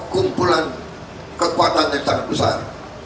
kumpulan kekuatan yang sangat besar